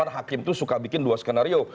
hakim itu suka bikin dua skenario